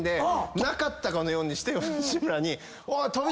なかったかのようにして吉村に。